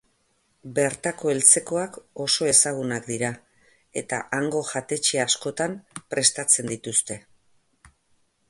Bertako eltzekoak oso ezagunak dira, eta hango jatetxe askotan prestatzen dituzte.